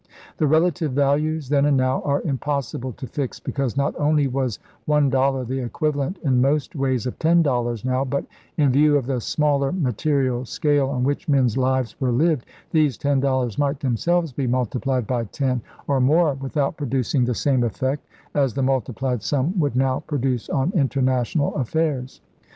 The relative values, then and now, are impossible to fix, because not only was one dollar the equiva lent in most ways of ten dollars now but, in view of the smaller material scale on which men's lives were lived, these ten dollars might themselves be multiplied by ten, or more, without producing the same effect as the multiplied sum would now pro duce on international affairs.